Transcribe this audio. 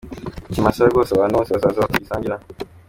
Ikimasa rwose abantu bose bazaza tugisangira.